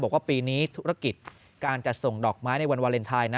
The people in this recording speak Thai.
บอกว่าปีนี้ธุรกิจการจัดส่งดอกไม้ในวันวาเลนไทย